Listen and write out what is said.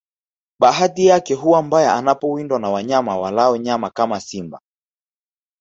Bahati yake huwa mbaya anapowindwa na wanyama walao nyama kama simba